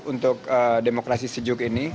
untuk demokrasi sejuk ini